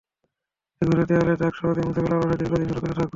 এটি ঘরের দেয়ালের দাগ সহজেই মুছে ফেলার পাশাপাশি দীর্ঘদিন সুরক্ষিত রাখবে।